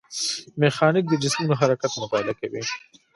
میخانیک د جسمونو حرکت مطالعه کوي.